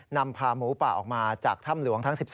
นำพาหมูป่าออกมาจากถ้ำหลวงทั้ง๑๓